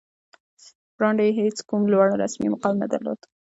وړاندې یې هېڅ کوم لوړ رسمي مقام نه درلود